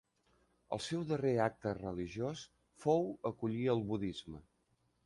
El seu darrer acte religiós fou acollir el budisme.